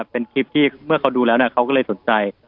เป็นคลิปที่เมื่อเขาดูแล้วเขาก็เลยสนใจ